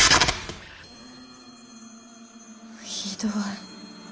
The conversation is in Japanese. ひどい。